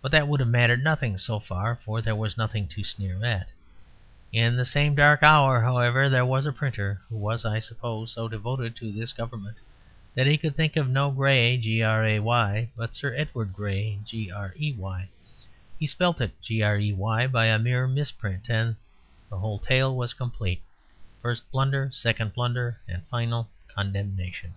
But that would have mattered nothing so far, for there was nothing to sneer at. In the same dark hour, however, there was a printer who was (I suppose) so devoted to this Government that he could think of no Gray but Sir Edward Grey. He spelt it "Grey" by a mere misprint, and the whole tale was complete: first blunder, second blunder, and final condemnation.